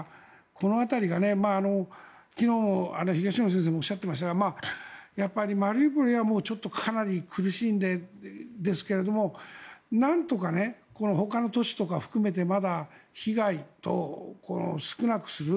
この辺りが昨日、東野先生もおっしゃっていましたがやっぱりマリウポリはかなり苦しいんですがなんとかほかの都市とか含めてまだ被害などを少なくする。